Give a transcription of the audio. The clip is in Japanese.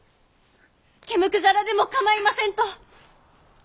毛むくじゃらでも構いませんと！